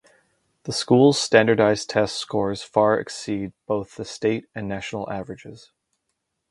The school's standardized test scores far exceed both the state and national averages.